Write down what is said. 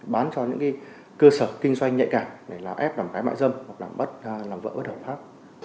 bán cho những cơ sở kinh doanh nhạy cả để ép làm cái mại dâm hoặc làm vợ bất hợp khác